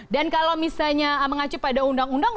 dan kalau misalnya mengacu pada undang undang